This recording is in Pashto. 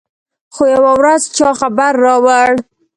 خو يوه ورځ چا خبر راوړ.